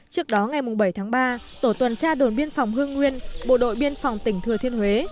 trước đó ngày bảy tháng ba tổ tuần tra đồn biên phòng hương nguyên bộ đội biên phòng tỉnh thừa thiên huế